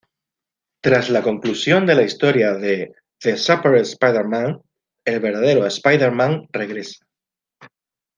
Tras la conclusión de la historia de "The Superior Spider-Man", el verdadero Spider-Man regresa.